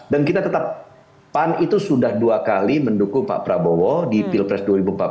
dan kita tetap pan itu sudah dua kali mendukung pak prabowo di pilpres dua ribu empat belas